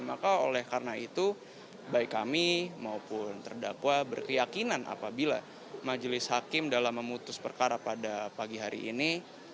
maka oleh karena itu baik kami maupun terdakwa berkeyakinan apabila majelis hakim dalam memutus perkara pada pagi hari ini